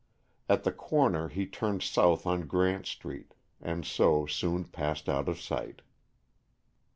At the corner he turned south on Grant Street, and so soon passed out of sight.